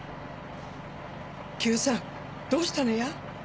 久さんどうしたなや？